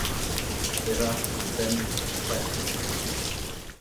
Pevar, pemp, c'hwec'h.